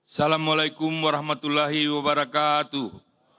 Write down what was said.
assalamu'alaikum warahmatullahi wabarakatuh